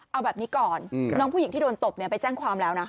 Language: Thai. เอาแบบนี้ก่อนน้องผู้หญิงที่โดนตบไปแจ้งความแล้วนะ